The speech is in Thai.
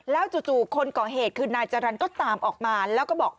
จู่คนก่อเหตุคือนายจรรย์ก็ตามออกมาแล้วก็บอก